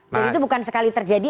dan itu bukan sekali terjadi